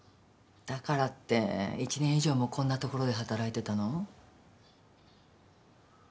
だからって１年以上もこんなところで働いてたの？